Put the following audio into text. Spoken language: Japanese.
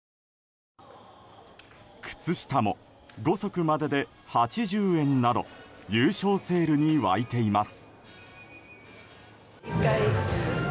靴下も５足までで８０円など優勝セールに沸いています。